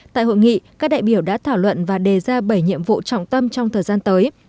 tại hội nghị các đại biểu đã thảo luận và đề ra bảy nhiệm vụ trọng tâm trong thời gian tới